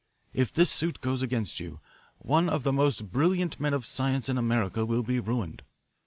If this suit goes against you, one of the most brilliant men of science in America will be ruined.